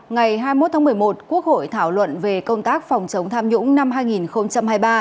ngày hai mươi một tháng một mươi một quốc hội thảo luận về công tác phòng chống tham nhũng năm hai nghìn hai mươi ba